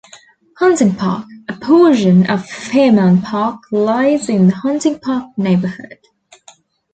Hunting Park, a portion of Fairmount Park, lies in the Hunting Park neighborhood.